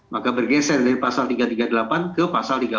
maka bergeser dari pasal tiga ratus tiga puluh delapan ke pasal tiga ratus